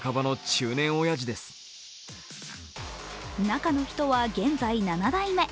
中の人は現在７代目。